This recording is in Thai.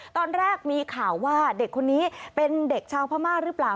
ตอนแรกมีข่าวว่าเด็กคนนี้เป็นเด็กชาวพม่าหรือเปล่า